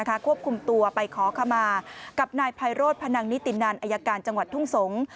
ควบคุมตัวไปขอขมากับนายไพโรธพนังนิตินันอายการจังหวัดทุ่งสงศ์